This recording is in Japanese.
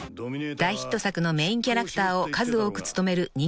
［大ヒット作のメインキャラクターを数多く務める人気声優です］